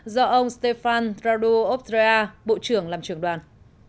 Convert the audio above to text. do ông stefan raudu opdrea bộ trưởng làm trưởng đoàn